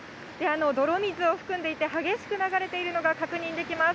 泥水を含んでいて、激しく流れているのが確認できます。